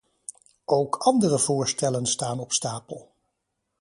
Ook andere voorstellen staan op stapel.